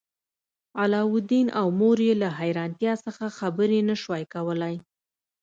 علاوالدین او مور یې له حیرانتیا څخه خبرې نشوای کولی.